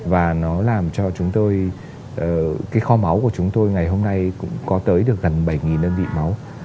và nó làm cho chúng tôi cái kho máu của chúng tôi ngày hôm nay cũng có tới được gần bảy đơn vị máu